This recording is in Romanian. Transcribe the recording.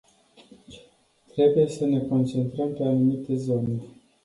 Trebuie să ne concentrăm pe anumite zone.